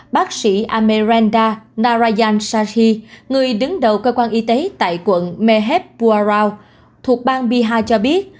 bác sĩ amerenda narayan shahi người đứng đầu cơ quan y tế tại quận mehepwarao thuộc bang bihar cho biết